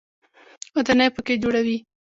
ودانۍ په کې جوړوي.